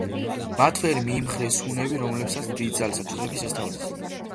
მათ ვერ მიიმხრეს ჰუნები, რომელთაც დიდძალი საჩუქრები შესთავაზეს.